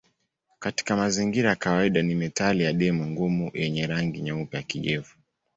Katika mazingira ya kawaida ni metali adimu ngumu yenye rangi nyeupe ya kijivu.